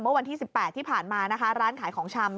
เมื่อวันที่๑๘ที่ผ่านมานะคะร้านขายของชำ